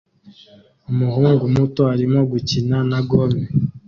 Umuhungu muto arimo gukina na gome